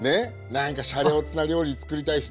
何かシャレオツな料理つくりたい人。